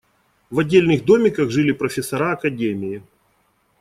В отдельных домиках жили профессора академии.